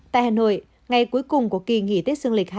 tại hà nội ngày cuối cùng của kỳ nghỉ tết dương lịch hai nghìn hai mươi hai